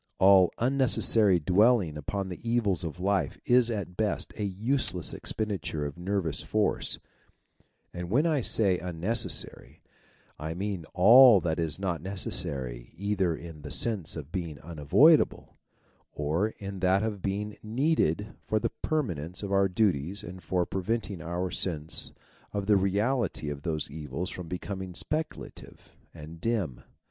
All unnecessary 248 THEISM dwelling upon the evils of life is at best a useless expenditure of nervous force : and when I say un necessary I mean all that is not necessary either in the sense of being unavoidable, or in that of being needed for the performance of our duties and for preventing our sense of the reality of those evils from becoming speculative and dim.